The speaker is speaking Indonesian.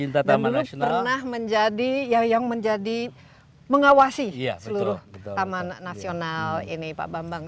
dan pernah menjadi yang menjadi mengawasi seluruh taman nasional ini pak bambang